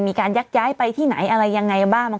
มีการยักย้ายไปที่ไหนอะไรยังไงบ้าง